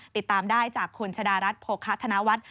ติดตามได้จากคุณชะดารัฐโภคธนวัฒน์